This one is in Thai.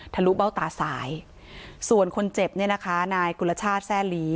ลุเบ้าตาสายส่วนคนเจ็บเนี่ยนะคะนายกุลชาติแซ่หลี